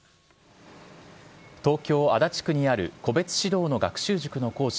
東京・足立区にある個別指導の学習塾の講師